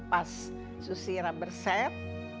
pas susira berset